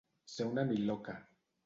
Ser una miloca.